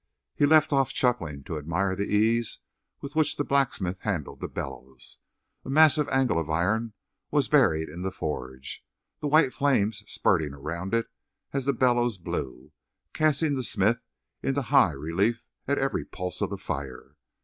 He left off chuckling to admire the ease with which the blacksmith handled the bellows. A massive angle of iron was buried in the forge, the white flames spurting around it as the bellows blew, casting the smith into high relief at every pulse of the fire.